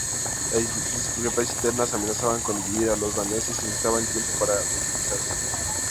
Las discrepancias internas amenazaban con dividir a los daneses y necesitaban tiempo para reorganizarse.